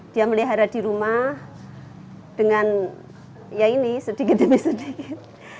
dia melihara di rumah dengan ya ini sedikit demi sedikit